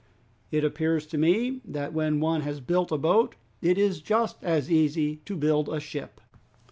It appears to me, that when one has built a boat it is just as easy to build a ship!"